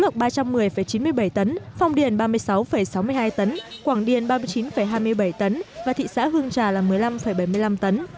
lượng ba trăm một mươi chín mươi bảy tấn phong điền ba mươi sáu sáu mươi hai tấn quảng điền ba mươi chín hai mươi bảy tấn và thị xã hương trà là một mươi năm bảy mươi năm tấn